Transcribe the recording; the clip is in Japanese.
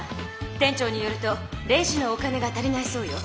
店長によるとレジのお金がたりないそうよ。